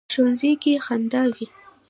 ښوونځی کې خندا وي